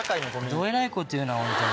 どえらいこと言うなぁ。